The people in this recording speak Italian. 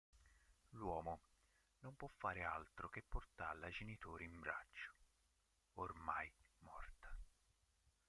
L'uomo non può fare altro che portarla ai genitori in braccio, ormai morta.